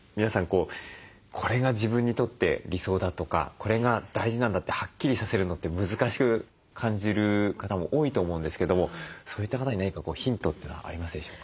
こうこれが自分にとって理想だとかこれが大事なんだってはっきりさせるのって難しく感じる方も多いと思うんですけどもそういった方に何かヒントというのはありますでしょうか？